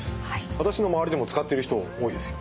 私の周りでも使ってる人多いですよ。